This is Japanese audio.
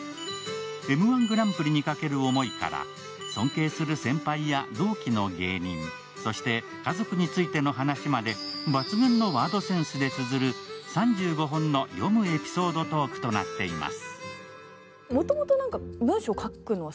「Ｍ−１グランプリ」にかける思いから、尊敬する先輩や同期の芸人、そして家族についての話まで抜群のワードセンスでつづる３５本の、読むエピソードトークとなっています。